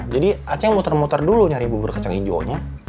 jadi acing muter muter dulu nyari bubur kacang hijaunya